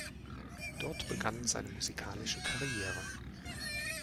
Dort begann seine musikalische Karriere.